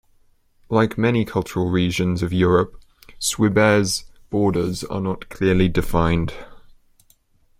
Like many cultural regions of Europe, Swabia's borders are not clearly defined.